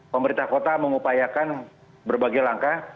pemerintah kota mengupayakan berbagai langkah